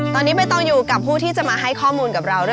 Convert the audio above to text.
ตอนนี้ใบตองอยู่กับผู้ที่จะมาให้ข้อมูลกับเราด้วย